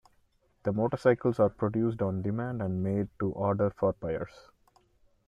The motorcycles are produced on demand and made to order for buyers.